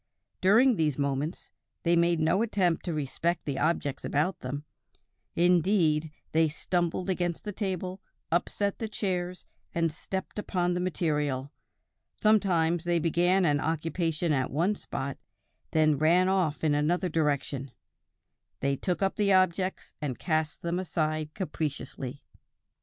During these movements, they made no attempt to respect the objects about them; indeed, they stumbled against the table, upset the chairs and stepped upon the material; sometimes they began an occupation at one spot, and then ran off in another direction; they took up the objects and cast them aside capriciously."